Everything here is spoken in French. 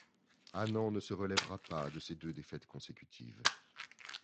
Anand ne se relèvera pas de ces deux défaites consécutives.